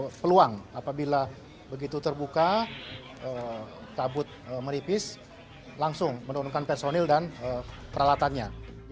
ada peluang apabila begitu terbuka kabut meripis langsung menurunkan personil dan peralatannya